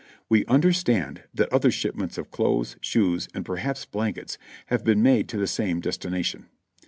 We understand that other shipments of clothes, shoes and perhaps blankets have been made to the same destination.